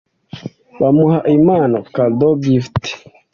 bamuha impano (cadeaux/gifts)